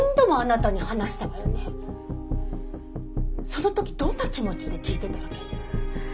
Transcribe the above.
その時どんな気持ちで聞いてたわけ？